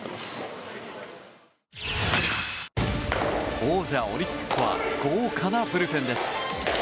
王者オリックスは豪華なブルペンです。